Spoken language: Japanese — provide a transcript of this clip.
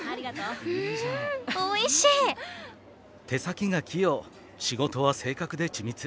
手先が器用仕事は正確で緻密。